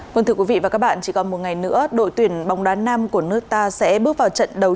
vâng thưa quý vị và các bạn chỉ còn một ngày nữa đội tuyển bóng đá nam của nước ta sẽ bước vào trận đấu